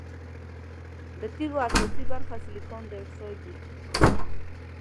د تیږو اساسي برخه سلیکان ډای اکسايډ ده.